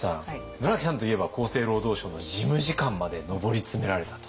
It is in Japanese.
村木さんといえば厚生労働省の事務次官まで上り詰められたと。